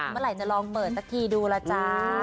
เมื่อไหร่จะลองเปิดสักทีดูล่ะจ๊ะ